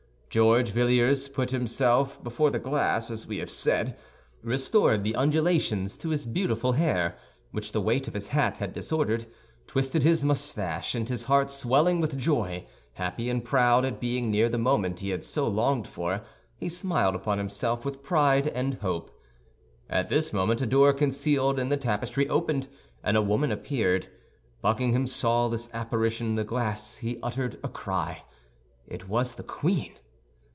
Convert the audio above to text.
George Villiers placed himself before the glass, as we have said, restored the undulations to his beautiful hair, which the weight of his hat had disordered, twisted his mustache, and, his heart swelling with joy, happy and proud at being near the moment he had so long sighed for, he smiled upon himself with pride and hope. At this moment a door concealed in the tapestry opened, and a woman appeared. Buckingham saw this apparition in the glass; he uttered a cry. It was the queen!